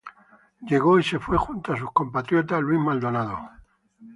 Llegó y se fue junto a su compatriota Luis Maldonado.